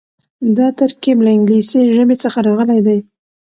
دا ترکيب له انګليسي ژبې څخه راغلی دی.